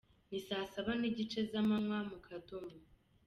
Ni saa saba n’igice z’amanywa, mu kadomo.